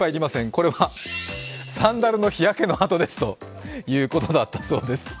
これはサンダルの日焼けの跡ですということだそうで。